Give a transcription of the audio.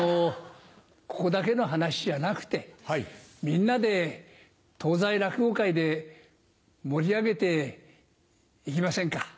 ここだけの話じゃなくてみんなで東西落語会で盛り上げて行きませんか？